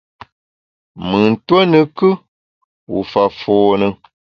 Mùn tuo ne kù, u fa fône.